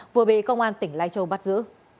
vừa bị công an tỉnh lai châu bắt giữ